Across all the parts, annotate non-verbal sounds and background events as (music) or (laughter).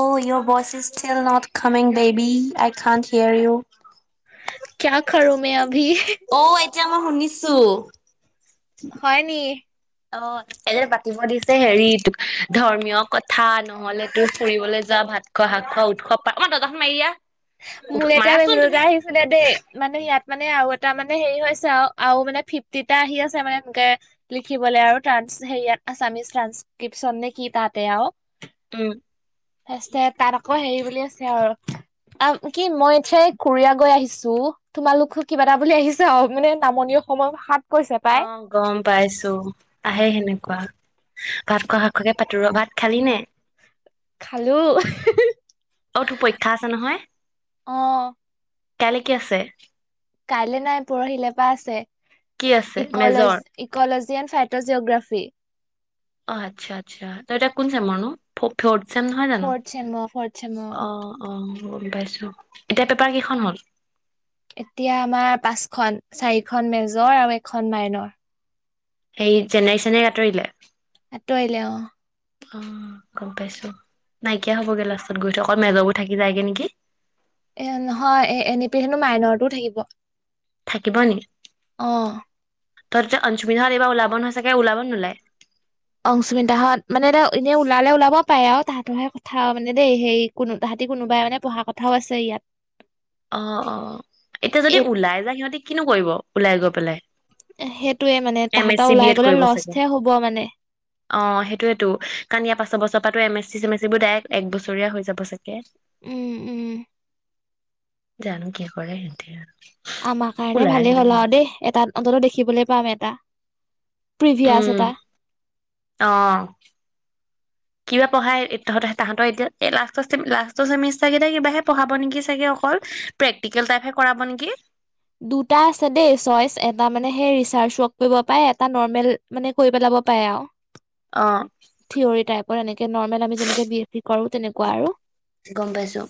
O, your বইচ is still not coming baby, I Connaught hear U. (inaudible) কিয়া কৰু মে অভি। অ' এতিয়া মই শুনিছো হয় নি অ (unintelligible) (unintelligible) ধৰ্মীয় কথা নহলে তোৰ ফুৰিবলৈ যোৱা ভাত খোৱা শাক খোৱা উৎসৱ পা, অ মা দৰ্জাখন মাৰি দিয়া মোলে এতিয়া মাৰাচোন মেছেজ তুমি এটা আহিছিলে দেই, মানে ইয়াত মানে আও এটা মানে হেৰি হৈছে আও, আও মানে ফিফটিটা আহি আছে মানে এনকে লিখিবলে আও, ট্ৰান্স সেই আও আাছামিছ ট্ৰান্সক্ৰিপচন নে কি তাতে আও উম (unintelligible) তাত আকৌ হেৰি বুলি আছে আৰু আ, কি মই এতিয়া কুৰিয়া গৈ আহিছো তোমালোক কিবা এটা বুলি আহিছে আও মানে নামনি অসমৰ ভাষাত কৈছে পাই অঁ গম পাইছো আহে সেনেকুৱা ভাত খোৱা শাক খোৱাকে পাতো ৰ ভাত খালি নে? খালো, হি হি অ তোৰ পৰীক্ষা আছে নহয়? অ কাইলে কি আছে? কাইলে নাই পৰহিলৰ পৰা আছে। কি আছে, মেজৰ। জি এন ফাইটজজিঅ'গ্ৰাফি অ আচ্ছা আচ্ছা ত এতিয়া কোন ছেমৰ নো? ফৰ্ট চেম নহয় জানো, ফৰ্থ চেমৰ ফৰ্থ চেমৰ অঁ অঁ গম পাইছো, এতিয়া পেপাৰ কেইখন হল এতিয়া আমাৰ পাঁচখন, চাৰিখন মেজৰ আৰু এখন মাইনৰ। সেই জেনাই চেনাই আঁতৰিলে আঁতৰিলে অঁ অ, গম পাইছো, নাইকিয়া হ'বগে লাষ্টত গৈ অকল মেজৰবোৰ থাকি যায়গে নেকি? এ নহয় এ এনে পি হেনো মাইনৰতটোও থাকিব থাকিব নি অ তহঁতৰ যে অনশুমিতাহঁত এইবাৰ ওলাব নহয় চাগে ওলাব নোলায়? অংশুমিতাহঁত মানে এতিয়া এনেই ওলালে ওলাব পাৰে আও তাহাঁতৰহে কথা মানে দেই হেই কোনো তাহাঁতি কোনোবাই মানে পঢ়া কথাও আছে ইয়াত অঁ অঁ এতিয়া যদি এই ওলাই যায় সিহঁতি কিনো কৰিব ওলাই গৈ পেলাই সেইটোয়ে মানে এম তাহাঁতৰ এচি বি ওলাই এড গলে কৰিব চাগে, লষ্টহে হ'ব মানে অ সেইটোৱেতো, কাৰণ ইয়াৰ পাছৰ বছত তাপাটো এম এছ চি চেম এছ চিবোৰ ডাইএক্ট এক বছৰীয়া হৈ যাব চাগে উম উম জানো কি কৰে সেতে আমাৰ কাৰণে ভালেই হ'ল আও দেই এটাত অন্ততঃ দেখিবলৈ পাম এটা প্ৰিভিয়াছ উম এটা। অ কিবা পঢ়াই তহঁ তাহতৰ এতিয়া এই লাষ্টৰ লাষ্টৰ চেমিষ্টাৰ কেইটা কিবাাহে পঢ়াব নেকি আমি অকল টিকেল টাইপে কৰাব নেকি। দুটা আছে দেই চইচ এতা মানে সেই ৰিচাৰ্জ বাৰ্ক কৰিব পাই এতা নৰমেল মানে কৰি পেলাব পাৰে আৰু। অ। থিয়ৰী টাইপৰ এনেকে নৰ্মেল আমি যেনেকে বি এি কৰো তেনেকুৱা আৰু। গম পাইছো।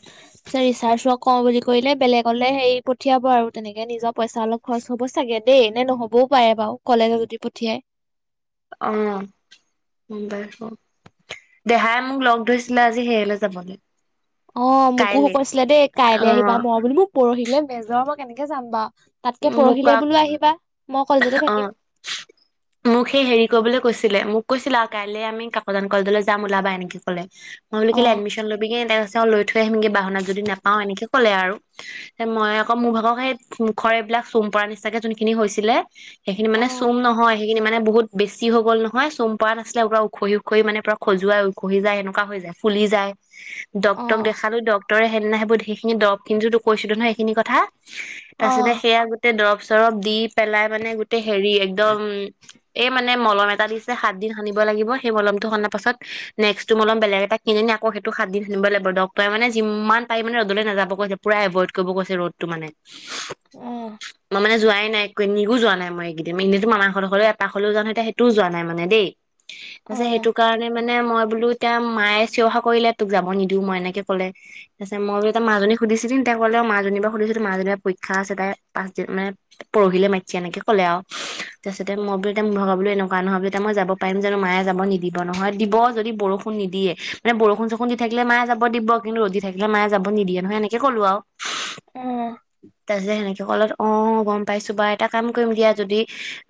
ক বুলি কৰিলে বেলেগলে হেৰি পঠিয়াব আৰু। তেনেকে নিজৰ পইচা অলপ খৰচ হ'ব চাগে দেই নে নহ'বও পাৰে বাৰু কলেজত যদি পঠিয়াই। অ মুম্বাই হ দেহাই মোক লগ ধৰিছিলে আজি সেয়ৈ যাবলৈ। অ মোকো শু কাইলে কৈছিলে দেই অ কাইলৈ আহিবা মৰ বুলি মোক পৰহিলে বেজৰৰ কেনেকে যাম বা। মোকোকাক মই কলেজতে অ থাকিম মোক সেই হেৰি কৰিবলৈ কৈছিলে মোক কৈছিলা কাইলে আমি কাকজান কলেজলৈ যাম ওলাবা এনেকে ক'লে। মই বুলি অ কলে এডমিশন লবিগে তেওঁ লৈ থৈ আহিমকে বাহনাত যদি নোপাওঁ এনেকে ক'লে আৰু মই আকৌ মোৰ ভাগক সেই খৰ এইবিলাক চোম পৰা নিচিনাকে যোনখিনি হৈছিলে সেইখিনি মানে অ চুম নহয় সেই খিনি মানে বহুত বেছি হৈ গল নহয় চোম্পাতা আছিলে পুৰা উওখৰি উখৰি মানে পৰা খজুৱাই উখি যায় স এনেকুৱা যায় ফুলি যায়। অ ডক্তৰক দেখালো ডক্ত তই সেইদিনা সেইবোৰ সেইখিনি দৰৱ কন্তো তো কৈছিলো নহয় সেইখিনি কথা। (unintelligible) অ তাৰপিছ সেয়া গোটেই দৰৱ চৰবদ্বীপ (unintelligible) পেলাই মানে গোটেই হেৰি একদম এই মানে মলম এটা দিছে সাত দিন সানিব লাগিব সেই মলম টো সনাৰ পাছত নেক্সটো মলম বেলেগ এটা কিনি আকৌ সেইটো সাত দিন সানিব লাগিব ডক্তৰ এ মানে যিমান পাৰি মানে ৰ'দলৈ নাযাব গৈছে পুৰা এভইড কৰিব গৈছে ৰ'দতটো মানে। অ। মই মানে যোৱাই নাই একো নিগো যোৱা নাই মই এইকেইদিন এনেতো মামাহতৰ হলে এপাক হলেও যাও। এতিয়া সেইটোও যোৱা নাই মানেই দেই। অ অ আছে সেইটো কাৰণে মানে মানে মই বোলো এতি মায়ে চিৰহা কৰিলে তোক যাব নিদিও মই এনেকে কলে ত পিছ মই বোতি মাজনী সুধিছিলম তেতিয়া কলে মাজনী পৰা সুধিছিলো মাজনী বা খা চ এ তাই পাচদিন মানে পৰহিলে মাতিছে এনেকে ক'লে আৰু তাৰিছতে মইোলো মই ভা বোলো এনেকুৱা নহয় বোল মই যাব পাৰিম জানো মায়ে যাব নিদিব নহয় দিব যদি বৰষুণ নিদিয়ে মানে বৰষুণ চৰষুণ দি থাকিলে মায়ে যাব দিব কিন্তু ৰ'দ থাকিলে মায়ে যাব নিদিয়ে নহয় এনেকে কলো আৰু। অ। তাৰপিছত সেনেকে কলত অ গম পাইছো বা এটা কাম কৰিম দিয়া যদি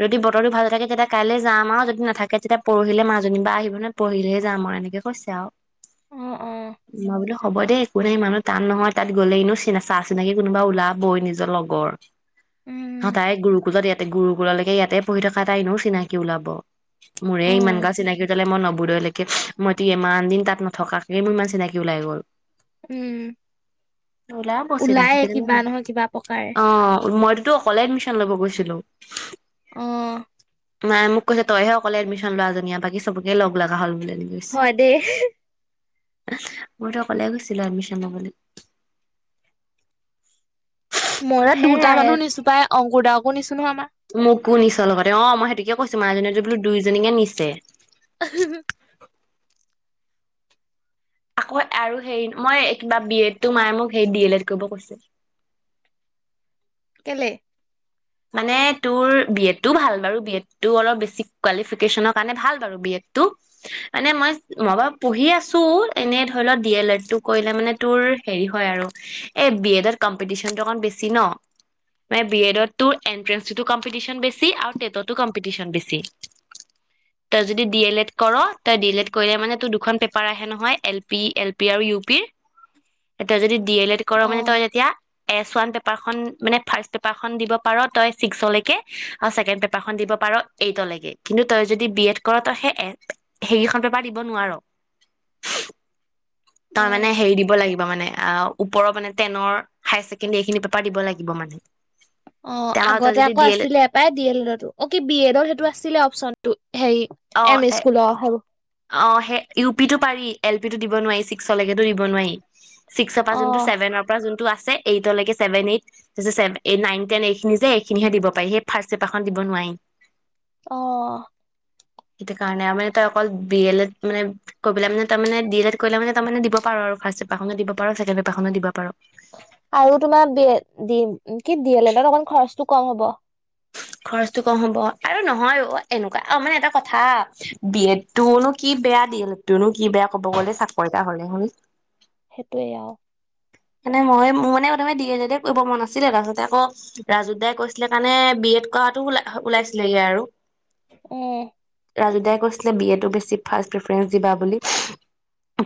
যদি বতৰটো ভাল থাকে তেতিয়া কাইলৈ যাম আৰু যদি নাথাকে তেতিয়া পৰহিলে মাজনী বা আহিব নয় পঢ়িলেহে যাম আৰু এনেকে কৈছে আৰু। অ অ মই বোলো হব দে। কোনে স মানুহ টান নয় তাত গলেহেনু চা চিনাকি কোনোবা ওলাব। বৈ নিজৰ লগৰ। হ উম তাই গুৰুকুললত ইয়াতে গুৰুকোলালকে ে ইয়াতে পঢ়ি থকা এাইনেও চিনাকি ওলাব মোৰে অ ইমান গা চিনাকি তলে মই নবু লে মই তো ইমান দিন তাত নথকাকে মোৰ ইমান চিনাকি ওলাই গ'ল উম ওলাব চিনাকি ওলায়ে কেইজনী কিবা নহয় কিবা প্ৰকাৰে অ মইতোতো অকলে এডমিশন ল'ব গৈছো হলো আহ ম মোক কৈছে তইহে অকলে এডমিশনোৱাজনীয়া বাকী চবকে লগা হল বুলি এনেকে কৈছে। হয় দে মইতো অকলে গৈছিলো এডমিশন ল'বলৈ মই দুটা মানুহ নিছো পাই অংকুৰ দাৰকো নিছো নহয় আমাৰ মোকো নিছ লগতে অ মই সেইটোকে কৈছো মাৰজনীয়ে যে বোলো দুইজনীকে নিছে উ আকৌ আৰু হেৰি মই কিবা বি এডটো মায়ে মোক সেই বি এল এড কৰিব কৈছে কেলে মানে তোৰ বিএডটো ভাল বাৰু বি এড অলপ বেছ কোৱিফিকেশ কাৰণে ভাল বাৰু বি এডটো মানে মই মই বাৰু পঢ়ি আছো এনে ধৰি লও বি এল এ কৰিলে মানে তোৰ হে হয় আৰু এই বি এডত কম্পিটিচন অক বেছি ন মান বি এডত তোৰ এ (inaudible) (inaudible) ডি এল এড কৰ মানে তই অ', যেতিয়া এছ ওৱান পেপাৰখন মানে ফাৰ্ষ পেপাৰখন দিব ইপাৰ দিব পাৰে কিন্তু তই যদি বিএড কৰ তইখন পেপাৰ দিব নোৱাৰ তই মানে অ'। হেৰি দিব লাগিব মানে অ ওপৰ ম েনৰ হছেকেণ্ডী এইখিনি পেপাৰ দিব লাগিব মানে অ তে আমাৰ তই আগতে যদি আকৌ ডি এল আছিলে এপাই ডি এল এডো অ কি বি এডৰ সেইটো আছিলে অপশচন ত সেই এড এম এ অ সকুল হব অ সেই ইউ পি টো পাৰি এল পি টো দিব নোৱাৰি ছিক্সলৈকেো দিব নোৱাৰি ছিক্সৰ পৰা যোনটো অ', চছেভেনৰ পৰা যোনটো আছে এইটলৈকে ছেভেন এইট তাৰপিছত এই নাইন টেন এইখিনি যে এইখিনিহে দিব পাৰি সেই ফাৰ্ষ্ট চেপাৰখন দিব নোৱাৰি আহ সেইটো কাৰণে আমাৰ ত অকল বি এত মানে কবলৈ মানে তাৰে বি এড এ কলে মানে তাৰ মে দিব পাৰো আৰু ফাৰ্ষট পাৰো দিব পাৰো ছেকেড পাৰনো দিব পাৰো আৰু তোমাৰ দি কি দ ল তত অকমান খৰচটো কম হ'ব খৰচটো কম হব আৰু নহয় এনেকুৱা অ মানে এটা কথা বি এড টোনো কি বেয়া ড এড নো কি বেয়া কব গ'লে চাকৰিটা হলে শুন সেইটোৱে আৰু মানে মই মোৰ মানে প্ৰমে ডি এন এড কৰিব মন নাছিলে তাৰপিছতে আকৌ ৰাজহাই কৈছিলে কাৰণে বি এড কৰাটো ল ওলাইছিলেগে আৰু উম। ৰাজুদাই কৈছিলে বি এ তটো বেছি ফাৰ্ষ্ট প্ৰেফাৰেন্ঞ্চ দিবা বুলি।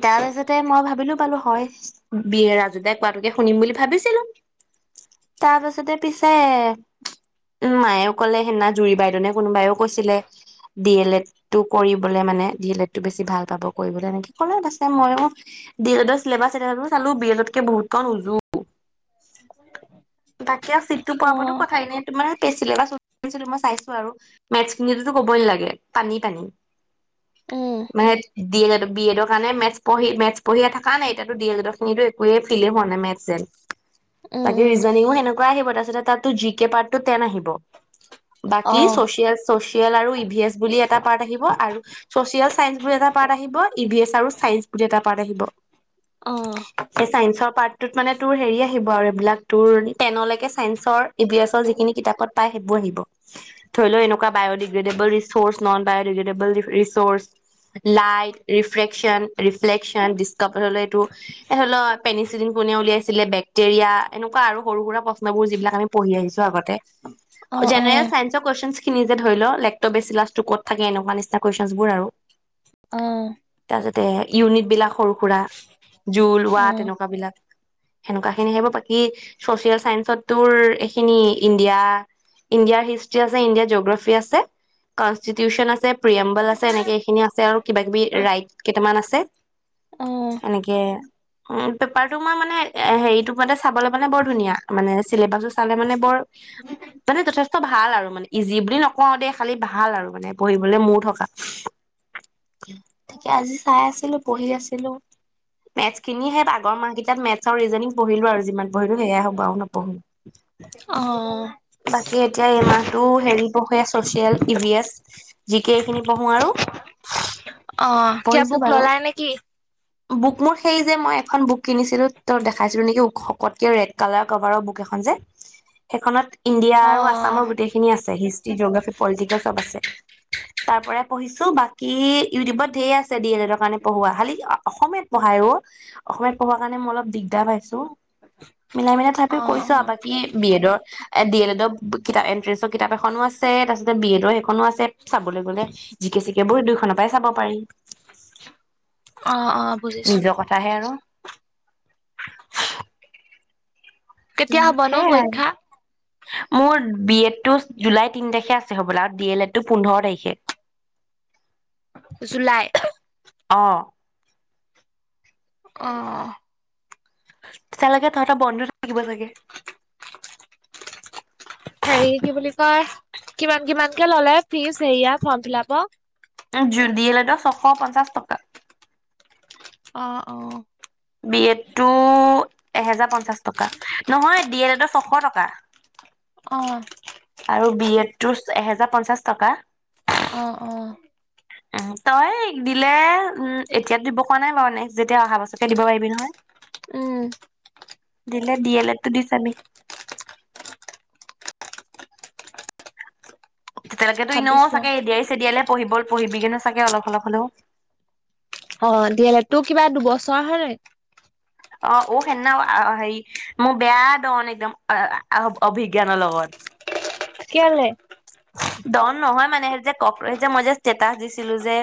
তাৰ পািছতে মই ভাবিলো পালো হয় বিয়েৰা (unintelligible) কোৱাতোকে শুনিম বুলি ভাবিছিলো, তাৰ পাছতে পিছে উ মায়েও কলে সেদিনা জুৰি বাইদেইনে কোনোবাইও কৈছিলে ডি এল এড টো কৰিবলে মানে, ডি এল এডটো বেছি ভাল পাব কৰিবলৈকে কলে, মইও ডি এল এডৰ চিলাবাছ (unintelligible) বোৰ চালো (unintelligible) কে বহুত ক উজো তাকে চিটটো পোৱাৰ পৰাটো অ', কথাই এ নাই, তোমাৰ (unintelligible) মই চাইছো আৰু, মেথছ খিনিতোটো কবই না, পানী পানী। উম, মানে ডি এড, বি এড কাৰণে মেথ মেথচ পঢ়িয়ে থকা নাই, এতিয়াতো দি এডৰ খিনিতো কে ফিলে মনে মেচেল উম, বাকী উম, ৰিজনিঙো সেনেক আহিব তাৰপছতে তাতো জি কে পাৰ্টটো টেন আহিব। বাকীিয় অ', চচিয়েল আৰু ই ভিএচ বুলি এটা পাৰ্ট আহিব আৰু চচিয়েল চাইন্ঞ্চ বুলি এটা পাৰ্ট আহিব ই ভিএছ আৰু চাইন্স বুলি এটা পাৰ্ট আহিব। অ'। সেই চাইন্সৰ পাৰ্টটোত মানে তোৰ হেৰি আহিব আৰু। বিলাক তোৰ টেনলৈকে চাইন্সৰ এ বি এছৰ যিখিনি কিতাপত পায় সেইবোৰ আহিব। ধৰি লওঁ এনেকুৱা biodegradable research non biodegradable research light ৰিফ্ৰেক (unintelligible) ৰিফ্ৰেচাৰ, (unintelligible) টো। এ ধৰি লওঁ পেনিচিলিন কোনে উলিয়াইছিলে বেকটেয়া এনেকুৱা আৰু সৰু সুৰা প্ৰশ্বোৰ যিবিলাক আমিঢ়িছো আগতে। অ', অ'। জেনেল সাইন্চ কন খিনি যে ধৰি লওঁ লেপটপে চ লাছটো ক'ত থাকে এনেকুৱা নিচিনা কুৱেশচন বোৰ আৰু। অহ। যাতে ইউনিট বিলাক সৰু-সুৰা জোল ওৱা অ', তেনেকুৱ বিলাক সেনেকুৱা খিনি আহিব বাকী, চচিয়েল চাইন্সত তোৰ, এইখিনি ইণ্ডিয়া-ইণ্ডিয়াৰ হিষ্ট্ৰি আছে, ইণ্ডিয়াৰ জিঅগ্ৰাফি আছে, কনষ্টিটিউচন আছে, প্ৰিয়েম্বল আছে এনেকে এইখিনি আছে আৰু কিবা কিবি ৰাইট কেইটামান আছে অ', (unintelligible) পেপাৰটো মই মানে হেৰিটো মতে চাবলৈ মানে বৰ ধুনীয়া, মানে চিলেবাচটো চালে মানে বৰ, মানে যথেষ্ট ভাল আৰু, মানে ইজি বুলি নকও আৰু দে খালি ভাল আৰু মানে পঢ়িবলে মোৰ থকা। তাকে আজি চাই আছিলো, পঢ়ি আছিলো। মেথছ খিনি সে আগৰ মাহকেইটাত মেথছ আৰু ৰিজনিং পঢ়িলো আৰু যিমান পঢ়িলো সেয়াই হ'ব আৰু নপঢ়ো। অ'। বাকী এতিয়া এইমাহটো হেৰি পঢ়ে social, E V S, G K এইখিনি পঢ়ো আৰু। অ', কিয় পঢ়িছো বুক বাৰু ললাই নেকি? বুক মোৰ সেই যে মই এখন বুক কিনিছিলো, ত দেখাইছিলো নেকি শকতকে ৰেড কালাৰ কভাৰৰ বুক এখন যে, সেইখনত ইণ্ডিয়া অ', আৰু আছামৰ গোটেইখিনি আছে। হিষ্ট্ৰি, জিগ্ৰাফী, পলিটিকেল চব আছে। তাৰ পৰাই পঢ়িছো, বাকী ইউটিউবত (unintelligible) এৰ কাৰে পঢ়ুৱোৱা খালী অসমীয়াত পঢাইও অসমীয়াত পঢ়াৰ কাৰণে মই অলপ দিগদাৰ পাইছো মিলাই মিলাই তথাপি কৈছো আৰু অ', বাকি বি এডৰ ডি এল এডৰ কিতাপ এ কিতাপ এখনো আছে, তাৰপিছ বি এডো (unintelligible) আছে চাবলৈ গ'লে জিকে চিকে, বোৰ দুইোনৰ পৰাই চাব পাৰি। অ, অ, বুজিছো। নিজৰ কথাহে আৰু কেতিয়া উম, হ'ব নো সেয়াই আৰু। পৰীক্ষা? মোৰ বি এডটো জুলাই তিন তাৰিখে আছে হ'ব, আৰু ড এল এডটো পোন্ধৰ তাৰিখে। জুলাই অ। অ। তেতিয়ালৈকে তহঁতৰ, বন্ধ থাকিব চাগে? হেৰি কি বুলি কয় কিমান, কিমানকে ললে ফিজ হেৰিয়া ফৰ্ম ফিলাপক? জু দিলেত ছশ পঞ্চাশ টকা। অ, অ। বি এডটো এহেজাৰ পঞ্চাশ টকা, নহয় দ এলে ছশ টকা। অ। আৰু বিয়েডটো এহেজাৰ পঞ্চাশ টকা। অ, অ। উ, তই দিলে উম, এতিয়াত দিব কোৱা নাই, বাৰু নেক্সট যেতিয়া অহা, বছুকে দিব পাৰিবি নহয়। উম। দিলে দিয়লে তো দি চাবি। তেতিয়ালৈকেতোনেও ভাবিছো চাগে এডিয়াই চছেদিয়ালে পঢ়িব, পঢ়িবি কিনো চাগে অলপ, অলপ হলেও। অ, ডি এল এডটো তোৰ কিবা দুবছৰ হয় ন? অ, অ, সেদিনা হেৰি মোৰ, বেয়া দন একদম- অভিজ্ঞানৰ লগত। কেলে? ডন নহয়, মানে সেই যে মই যে ষ্টেটাচ দিছিলো, যে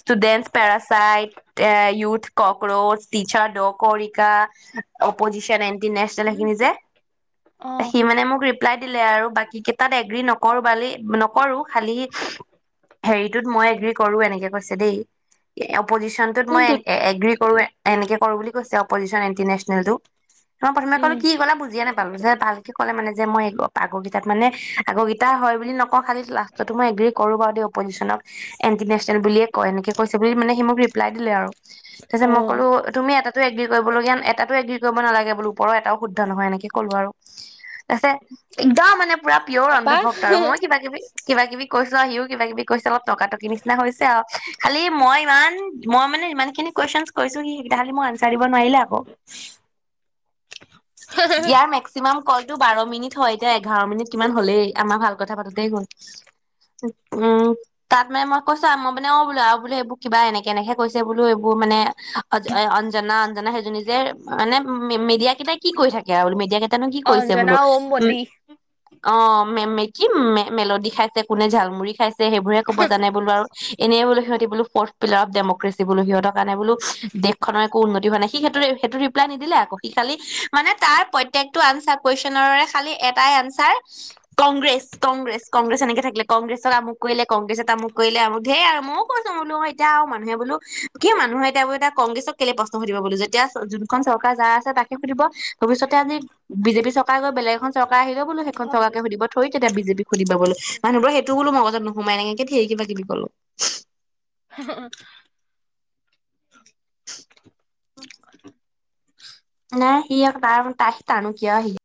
ষ্টুডেন্ট পেৰাচাইট, ইথ কক্ৰচ, টিচাৰ দকা, অপজিচন, এটিনেচনেল সেইখিনি যে অ', সি মানে মোক ৰিপ্লাই দিলে, আৰু বাকী কেইটাত এগ নক কৰো বালি নকৰো, খালি হেৰিটোত মই এগ্ৰী কৰো, এনেকে কৈছে দেই অপজিচন টু কোনটোত? এগ্ৰি মই কৰো, এনেকে কৰো বুলি কৈছে অপজিচন, ইণ্টিনেচনেলটো, তমই প্ৰথমে ক'লো উম, কি ক'লা বুজিয়ে নাপালো ভালকে ক'লে, মানে যে মই আগৰকেইটাত মানে আৰ এ, হয় বুলি নকওঁ, খালি লাষ্টো মই এগ কৰো। বাৰু দ অজিচনক এণ্টিনেচনেল বুলিয়ে কয় এনেকে কৈছে বুলি মানে, সি মোক ৰিপ্লাই দিলে আৰু তাৰ পিছত মই অ', ক'লো, তুমি এটাতটো এগ্ৰী কৰিব লগীয়া, এটাতটো এগ্ৰী কৰিব নালাগে, বো ওপৰও এটাও শুদ্ধ নহয়, এনেকে ক'লো আৰু তাৰছত একদম মানে পুৰা পিয়'ৰ তাৰপা অন্ধভ ত, মই কিবা কিবি কিবা, কিবি কৈছো। আহিও কিবা, কিবি কৈছে, অলপ তর্কো, তর্কি নিচিনা হৈছে আৰু খালি মই, ইমান, মই মানে ইমান খিনি কুৱেশন কৈছো, সিেই খি মই আনচাৰ দিব নোৱাৰিলে, আকৌ ইয়াৰ মেক্সিমাম কলটো বাৰ মিনিট হয়, এতিয়া এঘাৰ মিনিট কিমান হলেই। আমাৰ ভাল কথা পাতোতেই, গ'ল উ, উম, তাত মানে মই কৈছা, মই মানে অ, বোলো আৰু বোলো এইবোৰ কিবা এনেকে, এনেকে কৈছে বোলো এইবোৰ মানে অঞ্জনা, অঞ্জনা সেইজনী যে মানে, মিডিয়া কেইটাই কি কৈ থাকে, আৰু বো মিডিয়া কেইটা? তাননো কি কৈছে, বোলো অঞ্জনা ওম উম, অ। মেলড খাইছে, কোনে ঝালমুৰি খাইছে, সেইবোৰে ক'ব জানে, বোলো আৰু এনেই বোলো সিহঁতি, বো ফৰ্থ পিলাৰ, অফ ডেমক্ৰেচ বো সিহঁতৰ কাৰণে বোলো, দেশখনৰ একো উন্নতি হোৱা নাই সি সেইটো, সেইটো ৰিপ্লাই নিদিলে, আকৌ সি খালি মানে তাৰ প্ৰত্কটো আনচাৰ, কুৱেশনৰে খালি এটাই আনচাৰ কংগ্ৰেছ, কংগ্ৰেছ, কংগ্ৰেছ এনেক থাকিলে, কংগ্ৰেছত আমুক কৰিলে কংগ্ৰেছে তামুক কৰিলে, আমু ধে আৰু মইও কৈছো, বোলো এয়া আৰু মানুহে বোলো, কি মানুহ এতিয়া (unintelligible) কংগ্ৰেছক কেলে প্ৰশ্ন সুধিব বুলো, যেতিয়া যোনখন চৰকাৰ যাৰ আছে তাকহে সুধিব। ভৱিষ্যতে আজি বিজেপি চৰকাৰ গৈ, বেলেগ এখন চৰকাৰ আহি বোলো সেইখন বডি (unintelligible) (unintelligible) তেতিয়া বিজেপিক সুধিবা বুলো। মানুহবোৰে সেইটো বোলো মগজত নোসোমাই, এনেকে ধেৰ কিবা কিবি ক'লো। (unintelligible) নাই সি আৰু তাৰ (unintelligible)